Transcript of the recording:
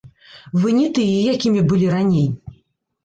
Вы не тыя, якімі былі раней!